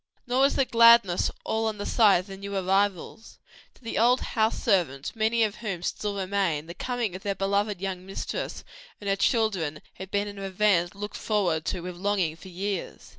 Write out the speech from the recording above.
Nor was the gladness all on the side of the new arrivals: to the old house servants, many of whom still remained, the coming of their beloved young mistress and her children had been an event looked forward to with longing for years.